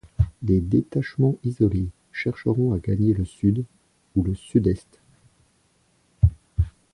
Des détachements isolés chercheront à gagner le Sud ou le Sud-Est.